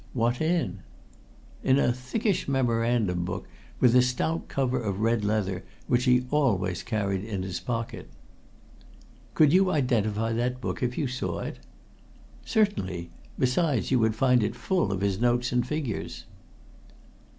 "What in?" "In a thickish memorandum book, with a stout cover of red leather, which he always carried in his pocket." "Could you identify that book if you saw it?" "Certainly! Besides, you would find it full of his notes and figures."